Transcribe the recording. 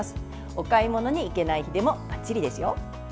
お買い物に行けない日でもばっちりですよ。